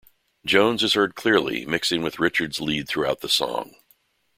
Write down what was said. Jones is heard clearly, mixing with Richards's lead throughout the song.